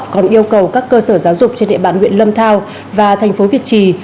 còn yêu cầu các cơ sở giáo dục trên địa bàn huyện lâm thao và thành phố việt trì